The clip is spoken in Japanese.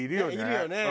いるよね。